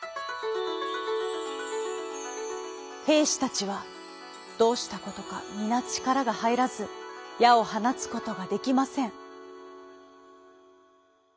へいしたちはどうしたことかみなちからがはいらずやをはなつことができません。